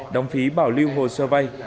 đóng phí bảo lưu hồ sơ vay